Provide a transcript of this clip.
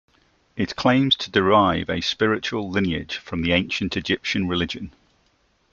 It claims to derive a spiritual lineage from the Ancient Egyptian religion.